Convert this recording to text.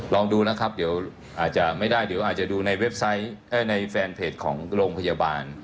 ลองดูนะครับเดี๋ยวอาจจะไม่ได้เดี๋ยวอาจจะดูในเว็บไซต์ในแฟนเพจของโรงพยาบาล